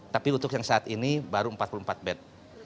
tapi untuk yang saat ini baru empat puluh empat bed